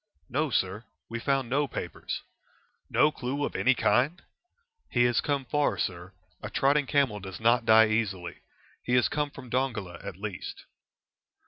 "No, sir; we found no papers." "No clue of any kind?" "He has come far, sir. A trotting camel does not die easily. He has come from Dongola, at least."